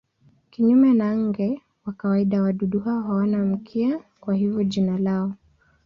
Kinyume na nge wa kawaida wadudu hawa hawana mkia, kwa hivyo jina lao.